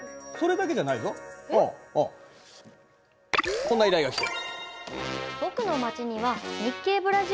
こんな依頼が来てる。